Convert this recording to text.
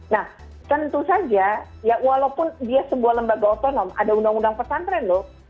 nah tentu saja ya walaupun dia sebuah lembaga otonom ada undang undang pesantren loh